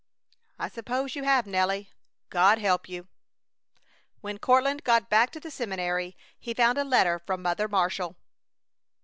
"I suppose you have, Nelly. God help you!" When Courtland got back to the seminary he found a letter from Mother Marshall.